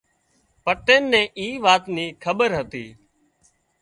پٽيل نين اي وات ني کٻير هتي